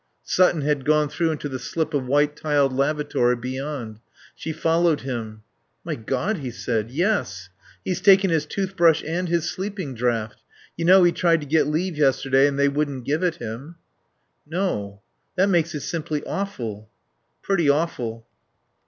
Sutton had gone through into the slip of white tiled lavatory beyond. She followed him. "My God," he said, "yes. He's taken his toothbrush and his sleeping draught.... You know he tried to get leave yesterday and they wouldn't give it him?" "No. That makes it simply awful." "Pretty awful."